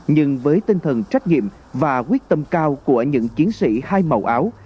nhưng với tinh thần trách nhiệm và quyết tâm cao của những chiến sĩ hai màu áo